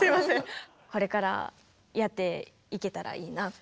これからやっていけたらいいなと。